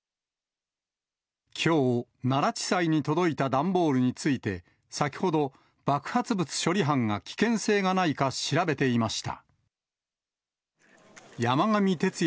きょう、奈良地裁に届いた段ボールについて、先ほど、爆発物処理班が危険性がないか調べていました。